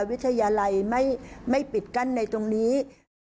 วิทยาลัยไม่ปิดกั้นในตรงนี้